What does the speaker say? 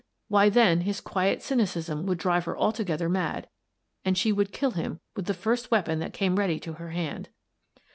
Why, then his quiet cynicism would drive her altogether mad, and she would kill him with the first weapon that came ready to her hand.